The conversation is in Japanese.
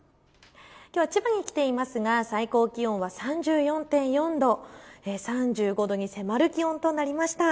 きょうは千葉に来ていますが最高気温は３４．４度、３５度に迫る気温となりました。